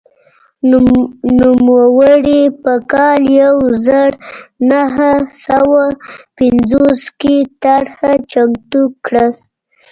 نوموړي په کال یو زر نهه سوه پنځوس کې طرحه چمتو کړه.